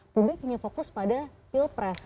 publik hanya fokus pada pilpres